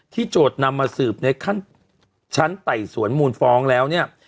โจทย์นำมาสืบในขั้นชั้นไต่สวนมูลฟ้องแล้วเนี่ย